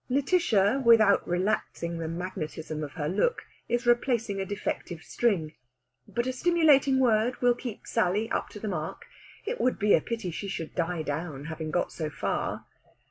Lætitia, without relaxing the magnetism of her look, is replacing a defective string. But a stimulating word will keep Sally up to the mark. It would be a pity she should die down, having got so far.